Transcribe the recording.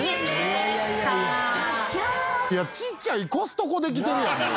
ちっちゃいコストコできてるやんもう。